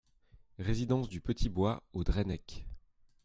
Résidence du Petit Bois au Drennec